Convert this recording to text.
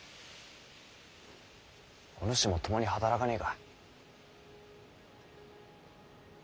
お主も共に働かねぇか？